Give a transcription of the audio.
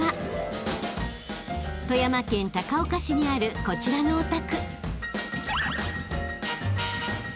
［富山県高岡市にあるこちらのお宅］